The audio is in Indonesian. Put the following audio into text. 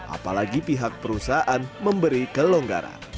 apalagi pihak perusahaan memberi kelonggaran